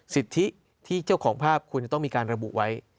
สิทธิที่เจ้าของภาพควรจะต้องมีการระบุไว้